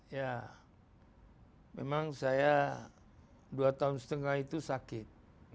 ya memang saya dua tahun setengah itu sakit